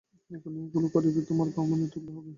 যখনই এইগুলি করিবে, তখনই তোমরা ব্রাহ্মণের তুল্য হইবে।